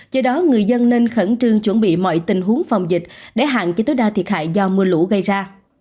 do đó người dân nên khẩn trương chuẩn bị mọi tình huống phòng dịch để hạn chế tối đa thiệt hại do mưa lũ gây ra